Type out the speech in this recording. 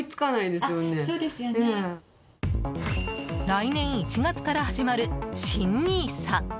来年１月から始まる新ＮＩＳＡ。